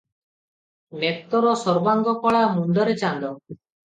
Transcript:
ନେତର ସର୍ବାଙ୍ଗ କଳା, ମୁଣ୍ତରେ ଚାନ୍ଦ ।